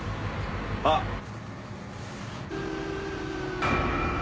あっ。